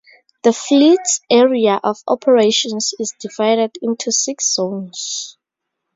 The fleet's area of operations is divided into six zones.